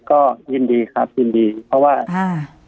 ก็ยินดีครับยินดีเพราะว่าอ่า